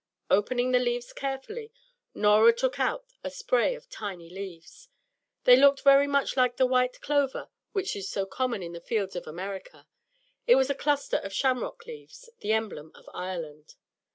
Opening the leaves carefully, Norah took out a spray of tiny leaves. They looked very much like the white clover which is so common in the fields of America. It was a cluster of shamrock leaves, the emblem of Ireland.